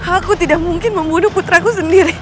aku tidak mungkin membunuh putraku sendiri